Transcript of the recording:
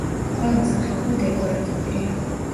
ყველა სახეობა დეკორატიულია.